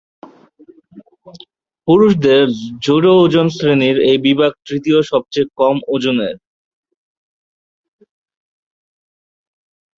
পুরুষদের জুডো ওজন শ্রেণীর এই বিভাগ তৃতীয় সবচেয়ে কম ওজনের।